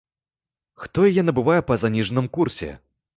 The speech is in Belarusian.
Хто яе набывае па заніжаным курсе?